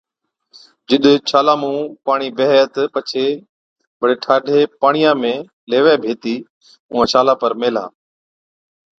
جِڏ ڇالان مُون پاڻِي بيهَي تہ پڇي بڙي ٺاڍي پاڻِيان ۾ ليوَي ڀيتِي اُونهان ڇالان پر ميهلا۔